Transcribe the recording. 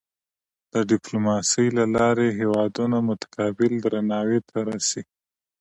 د ډیپلوماسۍ له لارې هېوادونه متقابل درناوی ته رسي.